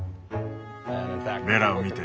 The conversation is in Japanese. ベラを見て。